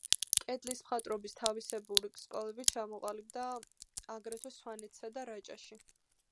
კედლის მხატვრობის თავისებური სკოლები ჩამოყალიბდა აგრეთვე სვანეთსა და რაჭაში.